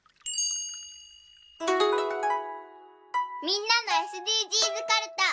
みんなのＳＤＧｓかるた。